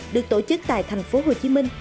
được tổ chức tại thành phố hồ chí minh